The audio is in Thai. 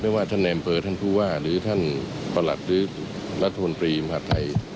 ไม่ว่าท่านแอมเฟอร์ท่านภูวาหรือท่านประหลักหรือรัฐธนปรีมหาดไทย